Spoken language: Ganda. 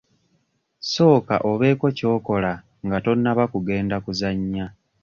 Sooka obeeko ky'okola nga tonnaba kugenda kuzannya.